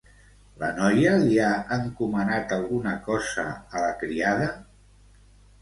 La noia li ha encomanat alguna cosa a la criada?